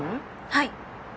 はい。